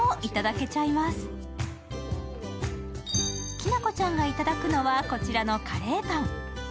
きなこちゃんがいただくのはこちらのカレーパン。